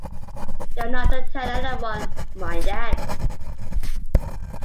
You are not to tell any one; mind that.